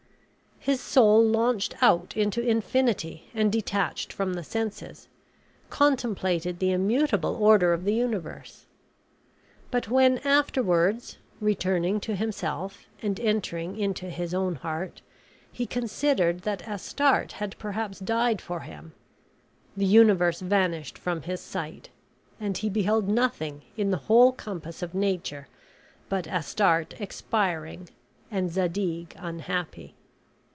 His soul launched out into infinity, and, detached from the senses, contemplated the immutable order of the universe. But when afterwards, returning to himself, and entering into his own heart, he considered that Astarte had perhaps died for him, the universe vanished from his sight, and he beheld nothing in the whole compass of nature but Astarte expiring and Zadig unhappy.